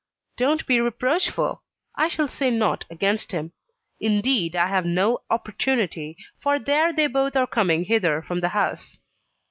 "Don't be reproachful I shall say nought against him. Indeed, I have no opportunity, for there they both are coming hither from the house."